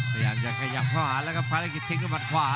พยายามจะขยับเข้าขวาและก็ฟันที่พีชติกตรงหมัดขวา